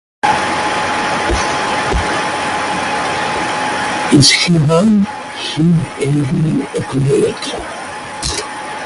“Is she gone?” he eagerly inquired.